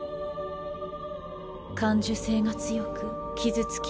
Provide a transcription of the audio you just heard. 感受性が強く傷つきやすい